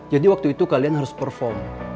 jadi waktu itu kalian harus perform